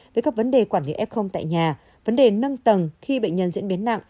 với các vấn đề quản lý f tại nhà vấn đề nâng tầng khi bệnh nhân diễn biến nặng